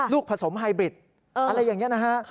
ผสมไฮบริดอะไรอย่างนี้นะฮะ